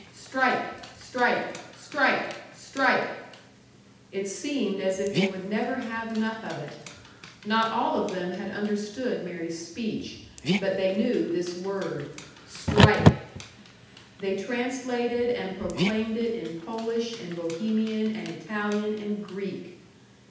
"Strike! Strike! Strike! Strike!" It seemed as if they would never have enough of it. Not all of them had understood Mary's speech, but they knew this word, "Strike!" They translated and proclaimed it in Polish and Bohemian and Italian and Greek.